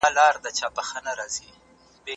د صنعتي پرمختګ لپاره سرمایه اړینه ده.